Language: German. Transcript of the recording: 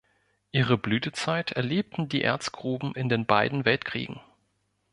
Ihre Blütezeit erlebten die Erzgruben in den beiden Weltkriegen.